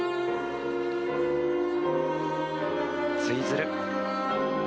ツイズル。